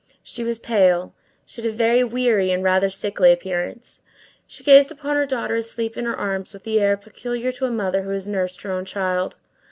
She was pale; she had a very weary and rather sickly appearance. She gazed upon her daughter asleep in her arms with the air peculiar to a mother who has nursed her own child.